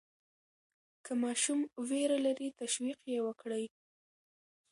که ماشوم ویره لري، تشویق یې وکړئ.